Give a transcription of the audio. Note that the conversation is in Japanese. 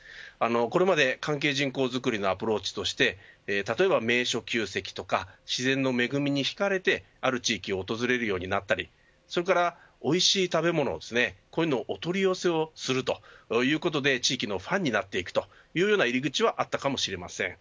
これまで関係人口作りのアプローチとして例えば、名所旧跡とか自然の恵みにひかれてある地域を訪れるようになったりそれから、おいしい食べ物をお取り寄せをするということで地域のファンになっていくというような入り口はあったかもしれません。